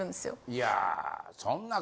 いやそんな。